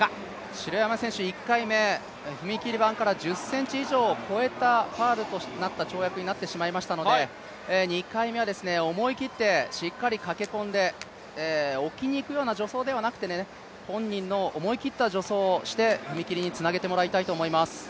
城山選手、１回目踏切板から１０ｃｍ以上越えたファウルとなった跳躍になってしまいましたので、２回目は思い切ってしっかり駆け込んで置きに行くような助走ではなくて、本人の思いきった助走をして踏み切りにつなげてもらいたいと思います。